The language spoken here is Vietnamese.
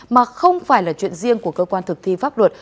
mà không phải là chuyện riêng của cơ quan thực thi pháp luật